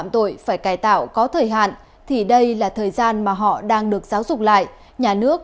tại các trại tạm giam trên toàn quốc